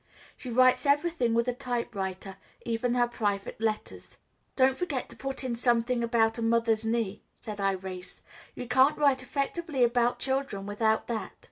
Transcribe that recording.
She writes everything with a typewriter, even her private letters. "Don't forget to put in something about a mother's knee," said Irais; "you can't write effectively about children without that."